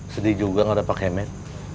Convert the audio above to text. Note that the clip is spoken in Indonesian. sedih juga gak dapat kemet